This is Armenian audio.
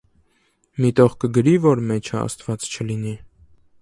մի տող կգրի՞, որ մեջը աստված չլինի: